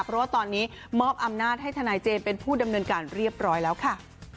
เพราะว่าตอนนี้มอบอำนาจให้ทนายเจมส์เป็นผู้ดำเนินการเรียบร้อยแล้วค่ะ